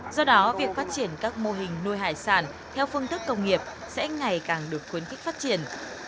do đó việc phát triển các mô hình nuôi hải sản theo phương thức công nghiệp sẽ ngày càng được khuyến khích phát triển